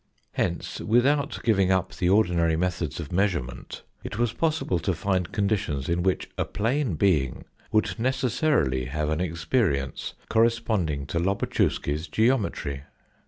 Hence, without giving up the ordinary methods of measurement, it was possible to find conditions in which a plane being would necessarily have an ex perience corresponding to Lobatchewsky's geometry.